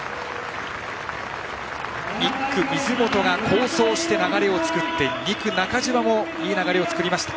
１区、水本が好走して流れを作って２区、中島もいい流れを作りました。